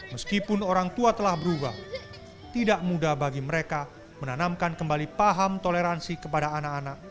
meskipun orang tua telah berubah tidak mudah bagi mereka menanamkan kembali paham toleransi kepada anak anak